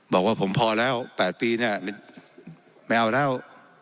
บอกว่าผมพอแล้ว๘ปีเนี่ยไม่เอาแล้ว